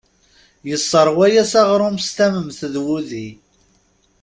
Yesseṛwa-as aɣrum s tament d wudi.